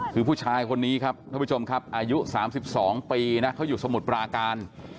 คือผู้ชายคนนี้ครับท่านผู้ชมครับอายุ๓๒ปีนะเขาอยู่สมุทรปราการ